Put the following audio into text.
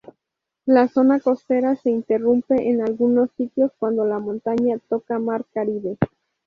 La zona costera se interrumpe en algunos sitios cuando la montaña toca Mar Caribe.